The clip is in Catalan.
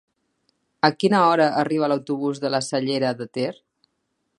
A quina hora arriba l'autobús de la Cellera de Ter?